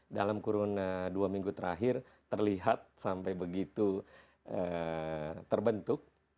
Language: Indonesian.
dalam kurun dua minggu terakhir terlihat sampai begitu terbentuk